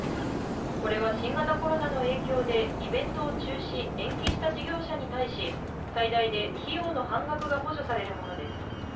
これは、新型コロナの影響でイベントを中止・延期した事業者に対し最大で費用の半額が補助されるものです。